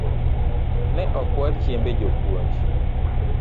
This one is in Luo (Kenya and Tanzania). Ne okwal chiembe jopuonj